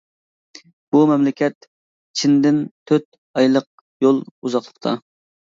بۇ مەملىكەت چىندىن تۆت ئايلىق يول ئۇزۇنلۇقتا.